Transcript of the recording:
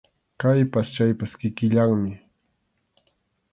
Kaypas chaypas kikillanmi.